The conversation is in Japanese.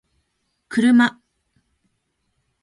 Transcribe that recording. kuruma